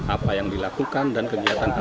apa yang dilakukan dan kegiatan kami